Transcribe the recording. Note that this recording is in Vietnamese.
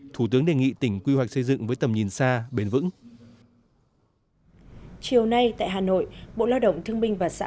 thủ tướng đề nghị tỉnh quy hoạch xây dựng với tầm nhìn xa bền vững